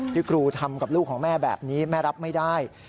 ที่ครูทำกับลูกของแม่แบบนี้แม่รับไม่ได้